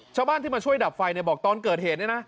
ชาวบ้านที่มาช่วยดับไฟบอกตอนเกิดเหตุเนี่ยนะ